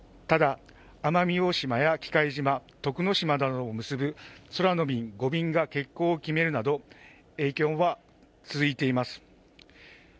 ただ、奄美大島や喜界島、徳之島などを結ぶ空の便５便が欠航を決めるなど、影響は続いています。